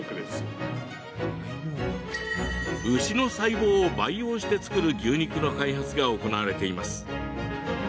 牛の細胞を培養して作る牛肉の開発が行われています。